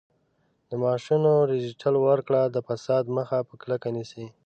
د معاشونو ډیجیټل ورکړه د فساد مخه په کلکه نیسي.